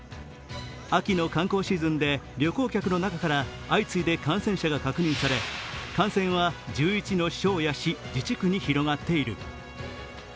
秋の観光シーズンで旅行客の中から相次いで感染者が確認され感染は１１の省や市、自治区に広がっている。